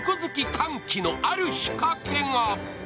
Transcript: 歓喜のある仕掛けが。